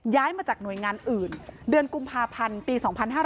มาจากหน่วยงานอื่นเดือนกุมภาพันธ์ปี๒๕๕๙